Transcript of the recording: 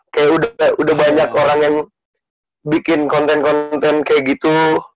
kayak udah banyak orang yang bikin konten konten kayak gitu